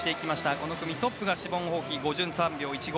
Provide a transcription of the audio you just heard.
この組トップはシボーン・ホーヒー５３秒１５。